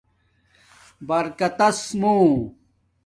برکتس مُو